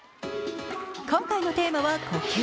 今回のテーマは呼吸。